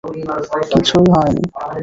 কিছুই হয় নি।